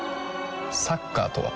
サッカーとは？